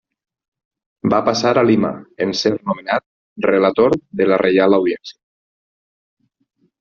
Va passar a Lima en ser nomenat Relator de la Reial Audiència.